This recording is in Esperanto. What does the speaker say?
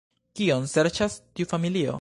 Kion serĉas tiu familio?